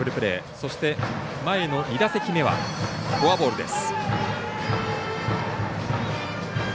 そして、前の２打席目はフォアボールです。